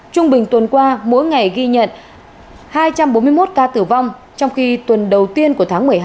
trung bình tuần qua mỗi ngày ghi nhận hai trăm bốn mươi một ca tử vong trong khi tuần đầu tiên của tháng một mươi hai